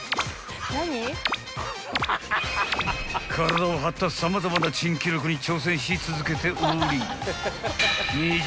［体を張った様々な珍記録に挑戦し続けており２０